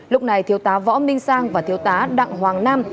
lúc này thiếu tá võ minh sang và thiếu tá đặng hoàng nam